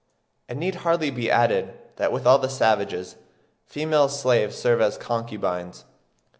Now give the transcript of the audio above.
It need hardly be added that with all savages, female slaves serve as concubines.